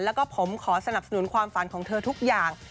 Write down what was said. แล้วก็ผมขอสนับสนุนความฝันของเธอทุกอย่าง